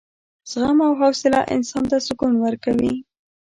زغم او حوصله انسان ته سکون ورکوي.